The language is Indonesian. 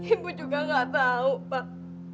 ibu juga nggak tahu pak